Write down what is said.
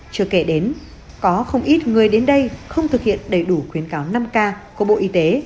chưa kể đến có không ít người đến đây không thực hiện đầy đủ khuyến cáo năm k của bộ y tế